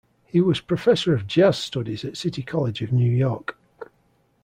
He was Professor of Jazz Studies at City College of New York.